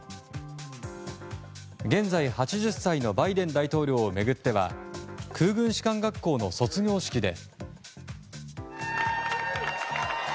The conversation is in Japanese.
現在８０歳のバイデン大統領を巡っては空軍士官学校の卒業式で。